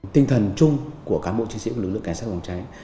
tinh thần chung của cán bộ chiến sĩ của lực lượng cảnh sát phòng cháy